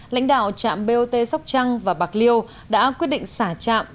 lãnh đạo trạm bot sóc trăng và bạc liêu đã quyết định xả trạm